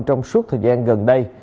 trong suốt thời gian gần đây